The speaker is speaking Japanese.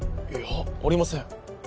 いやありません。